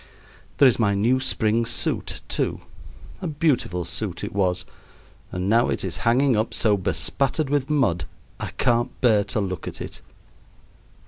There is my new spring suit, too. A beautiful suit it was, and now it is hanging up so bespattered with mud I can't bear to look at it.